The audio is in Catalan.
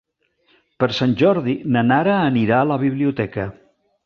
Per Sant Jordi na Nara anirà a la biblioteca.